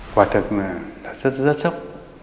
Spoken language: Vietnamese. quả thật là rất rất rất sốc